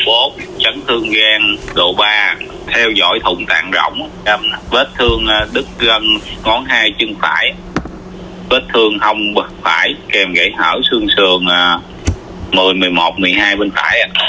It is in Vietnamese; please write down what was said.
vết thương hông phải kèm gãy hở xương sườn một mươi một mươi một một mươi hai bên phải